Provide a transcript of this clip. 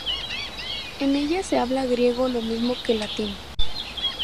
En ella se habla griego lo mismo que latín.